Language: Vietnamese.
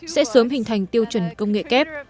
sẽ sớm hình thành tiêu chuẩn công nghệ kép